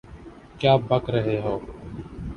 کیا بک رہے ہو؟